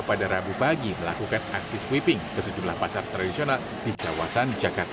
pada rabu pagi melakukan aksi sweeping ke sejumlah pasar tradisional di kawasan jakarta